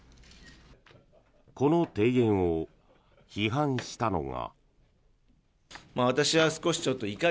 この提言を批判したのが。